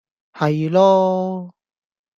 係囉